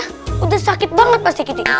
sudah sakit banget pak sri kiti